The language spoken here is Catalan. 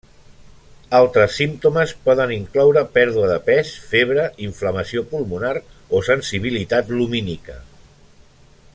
Altres símptomes poden incloure pèrdua de pes, febre, inflamació pulmonar o sensibilitat lumínica.